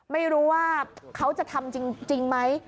ไม่รู้ว่าเขาจะทำจริงไหม